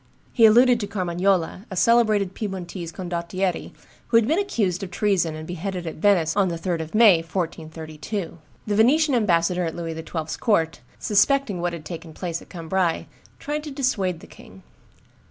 He alluded to Carmagnola, a celebrated Piedmontese condottiere, who had been accused of treason and beheaded at Venice on the 3d of May, 1432. The Venetian ambassador at Louis XII.'s court, suspecting what had taken place at Cambrai, tried to dissuade the king.